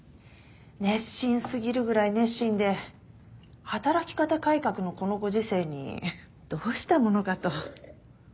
熱心すぎるぐらい熱心で働き方改革のこのご時世にどうしたものかと。